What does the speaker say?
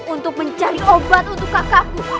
untuk mencari obat untuk kakakku